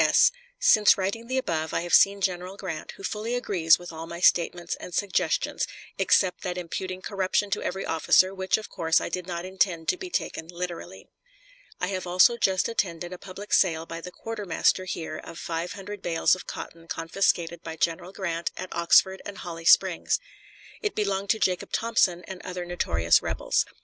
S. Since writing the above I have seen General Grant, who fully agrees with all my statements and suggestions, except that imputing corruption to every officer, which of course I did not intend to be taken literally. I have also just attended a public sale by the quartermaster here of five hundred bales of cotton confiscated by General Grant at Oxford and Holly Springs. It belonged to Jacob Thompson and other notorious rebels.